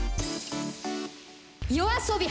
ＹＯＡＳＯＢＩ